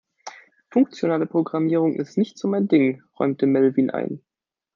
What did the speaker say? Funktionale Programmierung ist nicht so mein Ding, räumte Melvin ein.